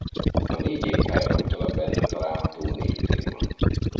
A négy égtájra utal a benne található négy téma.